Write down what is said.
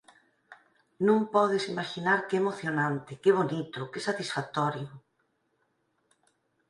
Non podes imaxinar que emocionante, que bonito, que satisfactorio...”